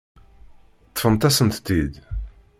Ṭṭfent-asent-t-id.